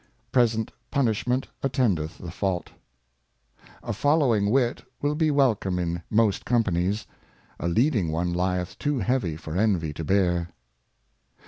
Present Punishment attendeth the Fault. A following Wit will be welcome in most Companies ; A leading one lieth too heavy for Envy to bear.